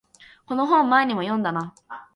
この本前にも読んだな